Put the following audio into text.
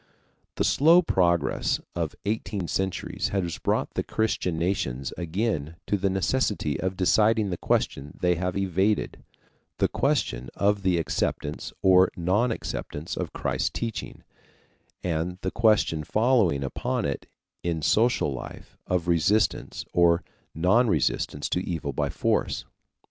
The slow progress of eighteen centuries has brought the Christian nations again to the necessity of deciding the question they have evaded the question of the acceptance or non acceptance of Christ's teaching, and the question following upon it in social life of resistance or non resistance to evil by force.